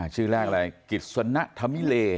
ชื่อแรกอะไรกิจสนะธมิเล